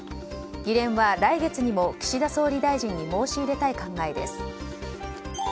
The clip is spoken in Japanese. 議連は、来月にも岸田総理大臣に申し入れたい考えです。